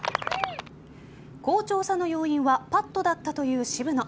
好調さの要因はパットだったという渋野。